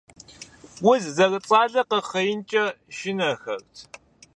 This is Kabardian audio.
Уз зэрыцӀалэ къэхъеинкӀэ шынэхэрт.